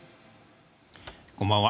こんばんは。